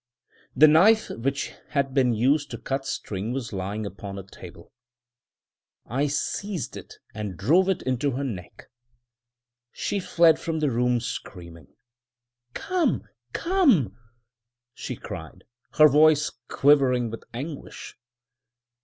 A knife which had been used to cut string was lying upon a table: I seized it and drove it into her neck. She fled from the room screaming. "Come! come!" she cried, her voice quivering with anguish.